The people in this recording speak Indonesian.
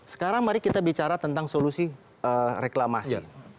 sekarang mari kita bicara tentang solusi reklamasi